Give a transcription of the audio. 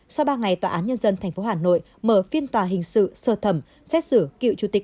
sau ba ngày tòa án nhân dân tp hà nội mở phiên tòa hình sự sơ thẩm xét xử cựu chủ tịch